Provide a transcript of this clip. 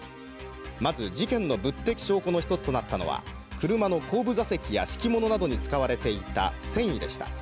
まず事件の物的証拠の一つとなったのは車の後部座席や敷物などに使われていた繊維でした。